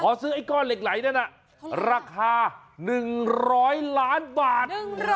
ซื้อไอ้ก้อนเหล็กไหลนั่นราคา๑๐๐ล้านบาท